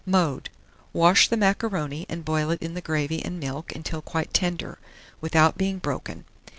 Mode. Wash the macaroni, and boil it in the gravy and milk until quite tender, without being broken.